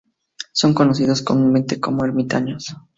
Son conocidos comúnmente como ermitaños.